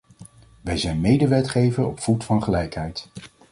Wij zijn medewetgever op voet van gelijkheid.